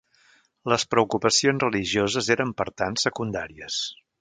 Les preocupacions religioses eren, per tant, secundàries.